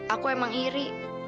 aku emang iri